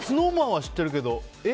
ＳｎｏｗＭａｎは知ってるけどえ？